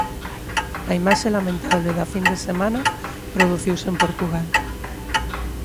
A imaxe lamentable da fin de semana produciuse en Portugal.